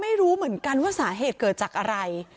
ไม่รู้เหมือนกันว่าสาเหตุเกิดจากอะไร